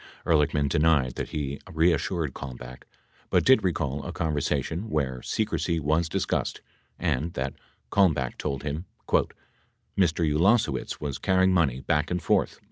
91 Ehrlichman denied that he reassured Kalmbach but did recall a con versation where secrecy was discussed, and that Kalmbach told him "Mr. Ulasewicz was carrying money back and forth."